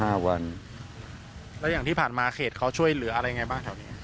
แล้วอย่างที่ผ่านมาเขตเขาช่วยเหลืออะไรอย่างไรบ้าง